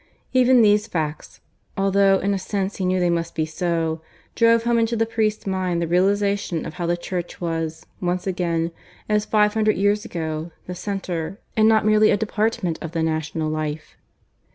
Even these facts, although in a sense he knew they must be so, drove home into the priest's mind the realization of how the Church was, once again, as five hundred years ago, the centre and not merely a department of the national life.